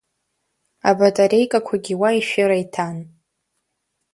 Абатареикақәагьы уа ишәыра иҭан.